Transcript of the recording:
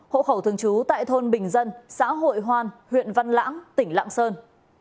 hộ khẩu thường trú tại thôn bình dân xã hội hoan huyện văn lãng tỉnh lạng sơn